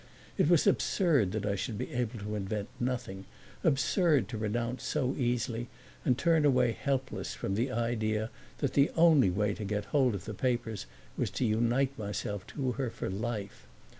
It was absurd that I should be able to invent nothing; absurd to renounce so easily and turn away helpless from the idea that the only way to get hold of the papers was to unite myself to her for life.